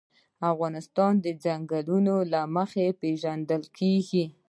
افغانستان د ځنګلونه له مخې پېژندل کېږي.